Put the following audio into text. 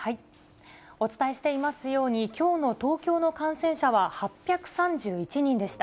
お伝えしていますように、きょうの東京の感染者は８３１人でした。